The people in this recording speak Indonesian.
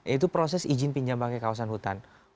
itu proses izin pinjam pakai kawasan hutan